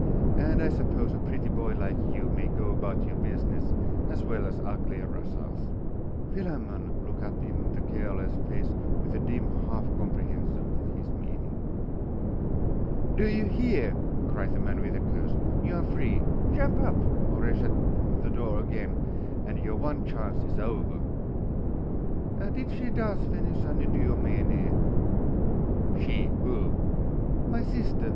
And I suppose a pretty boy like you may go about your business, as well as uglier rascals!' Philammon looked up in the gaoler's face with a dim half comprehension of his meaning. 'Do you hear?' cried the man with a curse. 'You are free. Jump up, or I shut the door again, and your one chance is over.' 'Did she dance Venus Anadyomene?' 'She! Who?' 'My sister!